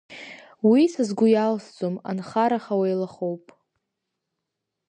Уи са сгәы иалсӡом, анхараха, уеилахоуп.